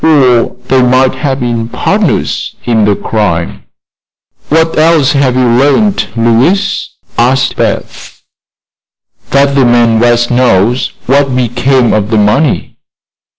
Or they might have been partners in the crime." "What else have you learned, Louise?" asked Beth. "That the man West knows what became of the money."